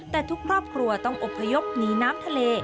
แต่ทุกครอบครัวต้องอบพยพหนีน้ำทะเล